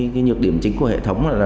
cái nhược điểm chính của hệ thống là